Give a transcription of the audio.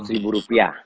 empat ratus ribu rupiah